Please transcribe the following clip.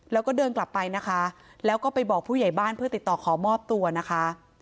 แล้วก็เดินกลับไปนะคะแล้วก็ไปบอกผู้ใหญ่บ้านเพื่อติดต่อขอมอบตัวนะคะ